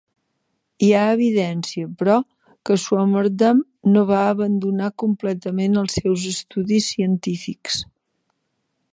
Hi ha evidència, però, que Swammerdam no va abandonar completament els seus estudis científics.